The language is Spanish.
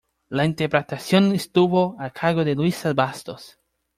La interpretación estuvo a cargo de Luísa Bastos.